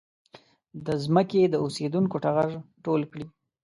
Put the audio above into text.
د ځمکې د اوسېدونکو ټغر ټول کړي.